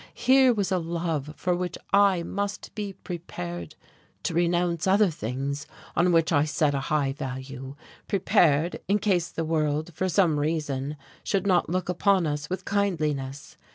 Here was a love for which I must be prepared to renounce other things on which I set a high value; prepared, in case the world, for some reason, should not look upon us with kindliness.